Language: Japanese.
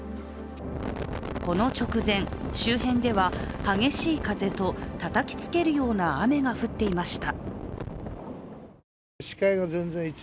この直前、周辺では激しい風とたたきつけるような雨が降っていました。